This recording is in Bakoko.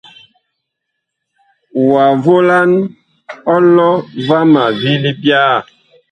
Wa volan ɔlɔ vama vi libyaa.